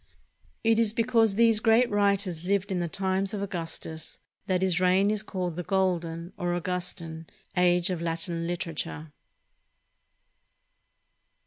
It is because these great writers lived in the times of Augustus that his reign is called the Golden, or Augus tan, Age of Latin literature.